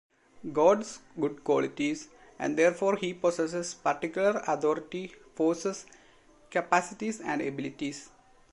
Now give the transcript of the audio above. God's, good qualities, and therefore he possesses particular authority, forces, capacities and abilities.